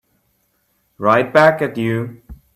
Right back at you.